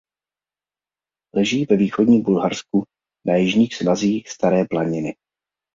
Leží ve východním Bulharsku na jižních svazích Staré planiny.